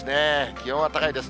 気温は高いです。